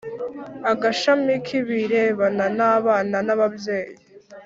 Agashami k’ibirebana n’abana nababyeyi